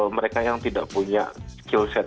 mereka yang tidak punya skillset